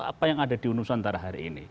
apa yang ada di nusantara hari ini